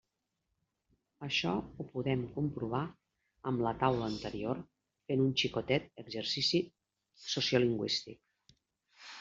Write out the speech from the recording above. Això ho podem comprovar amb la taula anterior, fent un xicotet exercici sociolingüístic.